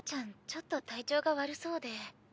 ちょっと体調が悪そうで。